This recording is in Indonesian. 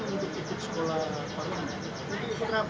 di dalam forum forum dpr aja cuma rekor sekolah